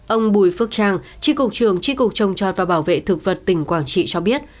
ông bùi phước trang tri cục trường tri cục trồng trọt và bảo vệ thực vật tỉnh quảng trị cho biết